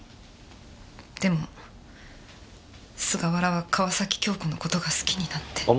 でも菅原は川崎京子の事が好きになって。